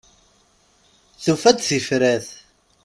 Tufa-d tifrat.